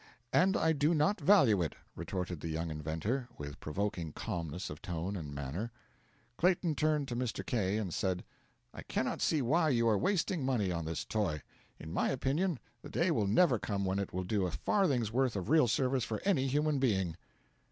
'And I do not value it,' retorted the young inventor, with provoking calmness of tone and manner. Clayton turned to Mr. K., and said: 'I cannot see why you are wasting money on this toy. In my opinion, the day will never come when it will do a farthing's worth of real service for any human being.'